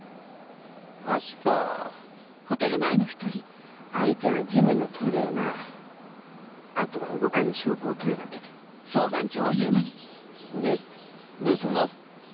マジか相手はジムのトレーナーあとは動かぬ証拠を撮るだけでどうすんの？